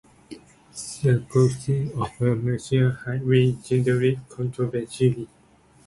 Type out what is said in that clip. The closing of a major highway generated controversy.